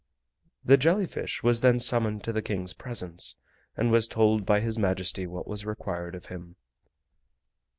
The jelly fish was then summoned to the King's presence, and was told by His Majesty what was required of him.